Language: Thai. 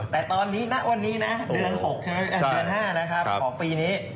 แต่ตอนนี้ณวันนี้นะเดือน๖ใช่ไหมเดือน๕นะครับของปีนี้